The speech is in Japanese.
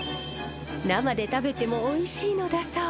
生で食べてもおいしいのだそう。